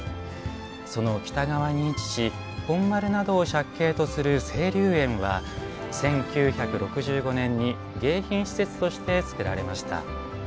その北側に位置し本丸などを借景とする清流園は１９６５年に迎賓施設として造られました。